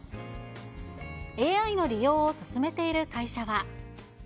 ＡＩの利用を進めている会社は。